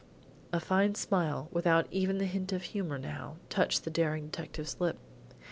A fine smile, without even the hint of humour now, touched the daring detective's lip.